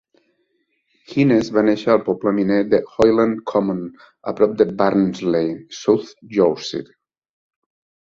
Hines va néixer al poble miner de Hoyland Common a prop de Barnsley, South Yorkshire.